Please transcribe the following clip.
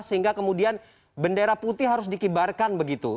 sehingga kemudian bendera putih harus dikibarkan begitu